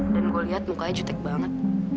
dan gue liat mukanya jutek banget